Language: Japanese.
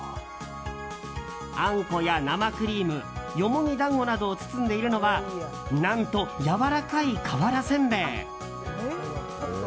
あんこや生クリームよもぎ団子などを包んでいるのは何と、やわらかい瓦せんべい。